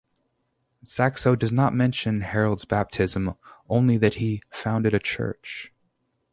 Saxo does not mention Harald's baptism only that he founded a church.